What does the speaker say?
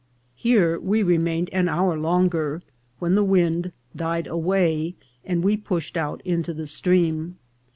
Here we remained an hour longer, when the wind died away, and we pushed out into the stream.